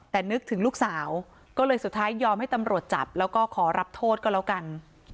แต่นึกถึงลูกสาวก็เลยสุดท้ายยอมให้ตำรวจจับแล้วก็ขอรับโทษก็แล้วกัน